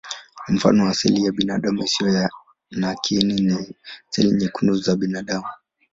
Mfano wa seli ya binadamu isiyo na kiini ni seli nyekundu za damu.